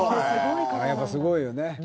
やっぱり、すごいよね。